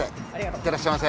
行ってらっしゃいませ。